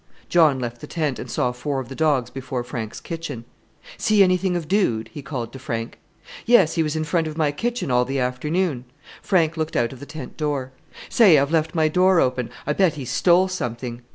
John left the tent, and saw four of the dogs before Frank's kitchen. "See anything of Dude?" he called to Frank. "Yes, he was in front of my kitchen all the afternoon." Frank looked out of the tent door. "Say! I've left my door open. I bet he's stole something!"